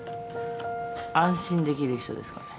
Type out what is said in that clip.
安心できる人ですかね。